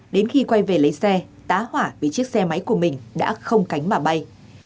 đến khi quay về lấy xe tá hỏa vì chiếc xe máy của mình đã không cánh mà bay